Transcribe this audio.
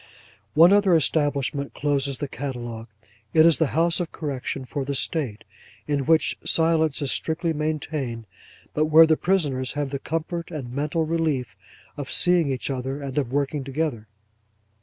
One other establishment closes the catalogue. It is the House of Correction for the State, in which silence is strictly maintained, but where the prisoners have the comfort and mental relief of seeing each other, and of working together.